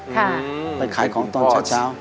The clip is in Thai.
ไปขายของตอนเช้า